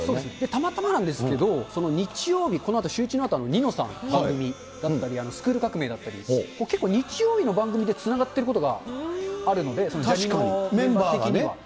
たまたまなんですけど、その日曜日、このあと、シューイチのあと、ニノさんの番組だったりスクール革命！だったり、結構、日曜日の番組でつながっていることがあるので、メンバー的には。